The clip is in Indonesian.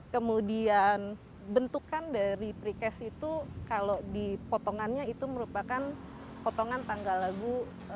kemudian bentukan dari precast itu kalau dipotongannya itu merupakan potongan tanggal lagu